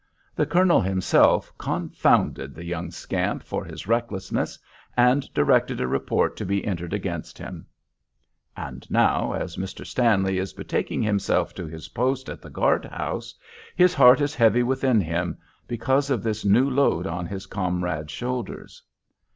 The colonel himself "confounded" the young scamp for his recklessness, and directed a report to be entered against him. And now, as Mr. Stanley is betaking himself to his post at the guard house, his heart is heavy within him because of this new load on his comrade's shoulders.